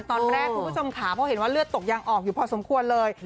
ตอนแรกคุณผู้ชมขาเพราะเห็นว่าเลือดตกยังออกอยู่พอสมควรเลย